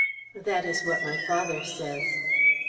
That is what my father says."